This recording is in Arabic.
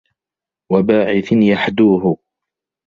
وَبَاعِثٍ يَحْدُوهُ